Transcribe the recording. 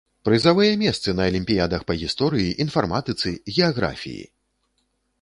Прызавыя месцы на алімпіядах па гісторыі, інфарматыцы, геаграфіі!